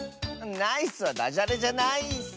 「ナイス」はダジャレじゃないッス！